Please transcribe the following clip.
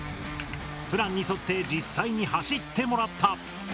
プランに沿って実際に走ってもらった。